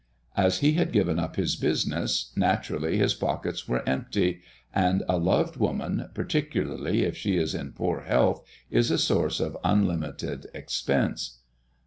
As he had given up his business, naturally his pockets were empty, and a loved woman, particularly if she is in poor health, is a source of unlimited expense.